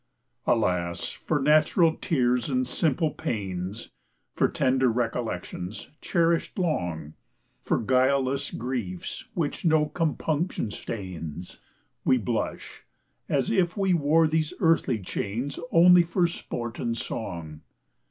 Alas! for natural tears and simple pains, For tender recollections, cherished long, For guileless griefs, which no compunction stains, We blush; as if we wore these earthly chains Only for sport and song!